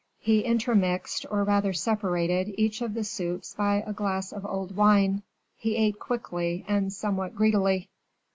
He intermixed, or rather separated, each of the soups by a glass of old wine. He ate quickly and somewhat greedily.